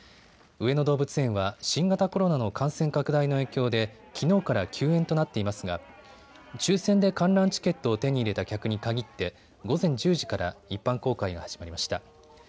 上野動物園は新型コロナの感染拡大の影響できのうから休園となっていますが抽せんで観覧チケットを手に入れた客に限って午前１０時から一般公開が始まりました。